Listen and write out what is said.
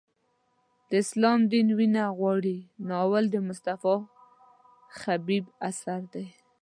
د اسلام دین وینه غواړي ناول د مصطفی خبیب اثر دی.